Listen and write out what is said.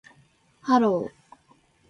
Hello